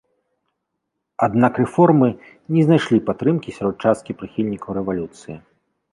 Аднак рэформы не знайшлі падтрымкі сярод часткі прыхільнікаў рэвалюцыі.